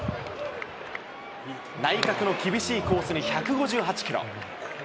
内角の厳しいコースに１５８キロ。